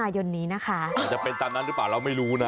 อาจจะเป็นตอนนั้นหรือเปล่าเราไม่รู้นะ